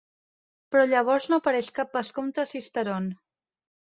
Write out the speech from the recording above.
Però llavors no apareix cap vescomte a Sisteron.